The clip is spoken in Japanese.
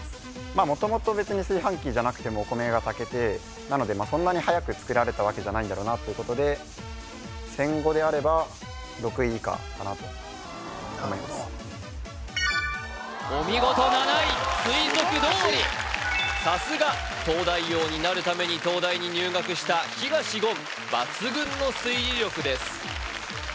まあ元々別に炊飯器じゃなくてもお米が炊けてなのでそんなにはやく作られたわけじゃないだろうということで戦後であれば６位以下かなとなるほどお見事７位推測どおりさすが東大王になるために東大に入学した東言抜群の推理力です